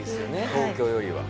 東京よりは。